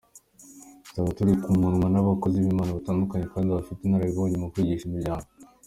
Tuzaba turi kumwa n’Abakozi b’Imana batandukanye kandi bafite Inararibonye mu kwigisha Imiryango.